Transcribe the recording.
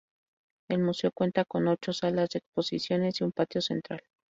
El museo cuenta con ocho salas de exposiciones y un patio central.